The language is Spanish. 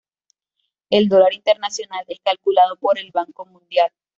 El dólar internacional es calculado por el Banco Mundial.